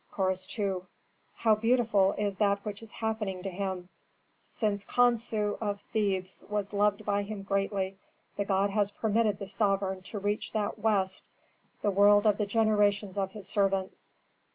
Chorus II. "How beautiful is that which is happening to him! Since Khonsu of Thebes was loved by him greatly, the god has permitted the sovereign to reach that west, the world of the generations of his servants."